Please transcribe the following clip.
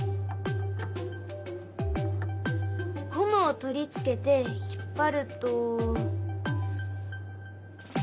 ゴムを取り付けて引っ張ると。